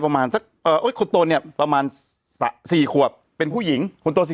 ประมาณสักเอ่อคนโตเนี้ยประมาณสี่ขวบเป็นผู้หญิงคนโตสี่